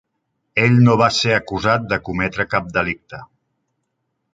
Ell no va ser acusat de cometre cap delicte.